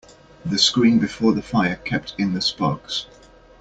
The screen before the fire kept in the sparks.